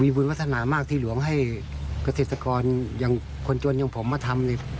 บุญวัฒนามากที่หลวงให้เกษตรกรอย่างคนจนอย่างผมมาทำเนี่ย